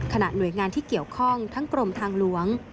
หน่วยงานที่เกี่ยวข้องทั้งกรมทางหลวง